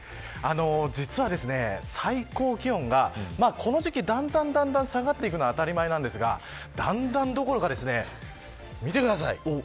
実は、最高気温がこの時期だんだん下がっていくのは当たり前なんですがだんだんどころか見てください。